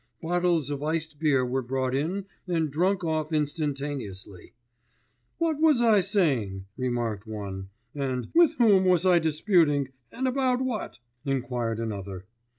Bottles of iced beer were brought in and drunk off instantaneously. 'What was I saying?' remarked one; 'and with whom was I disputing, and about what?' inquired another.